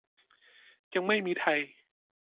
ยังไม่มีไทย